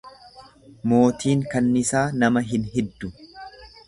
Mootiin kanniisaa nama hin hiddu.